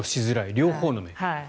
両方の面。